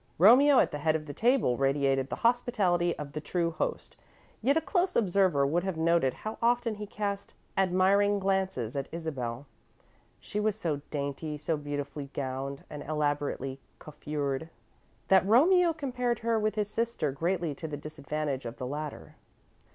Romeo, at the head of the table, radiated the hospitality of the true host, yet a close observer would have noted how often he cast admiring glances at Isabel. She was so dainty, so beautifully gowned and elaborately coiffured, that Romeo compared her with his sister greatly to the disadvantage of the latter.